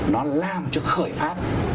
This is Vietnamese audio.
nó làm cho khởi phát